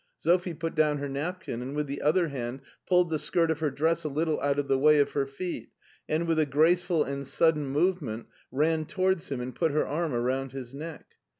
Sophie put down her napkin, and with the other hand pulled the skirt of her dress a little out of the way of her feet, and with a graceful and sudden movement ran towards him, and put her arm around his neck.